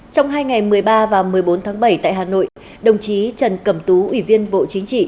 trong hai ngày một mươi ba và một mươi bốn tháng bảy tại hà nội đồng chí trần cẩm tú ủy viên bộ chính trị